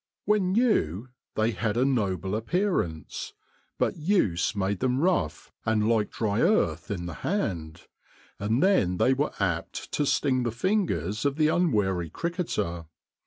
When new they had a noble appearance, but use made them rough and like dry earth in the hand, and then they were apt to sting the fingers of the unwary cricketer.